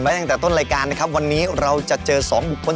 ตั้งแต่ต้นรายการนะครับวันนี้เราจะเจอสองบุคคล